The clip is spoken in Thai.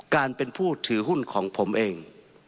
การเป็นผู้ถือหุ้นของผมเอง